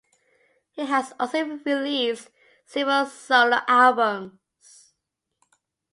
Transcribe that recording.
He has also released several solo albums.